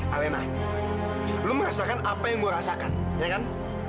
alena lo merasakan apa yang gue rasakan ya kan